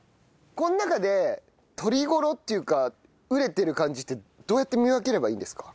この中で取り頃っていうか熟れてる感じってどうやって見分ければいいんですか？